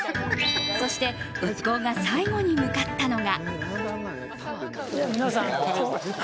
そして、一行が最後に向かったのが。